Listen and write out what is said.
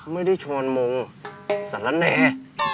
ไม่ได้ชวนมงสารแน